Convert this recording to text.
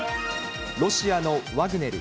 ロシアのワグネル。